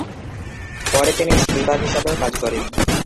পরে, তিনি স্ট্রিপার হিসাবেও কাজ করেন।